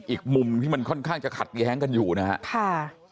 อีกมุมที่มันค่อนข้างจะขัดแย้งกันอยู่นะครับ